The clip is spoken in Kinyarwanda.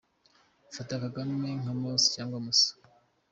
Fata Kagame nka Mose cyangwa Musa.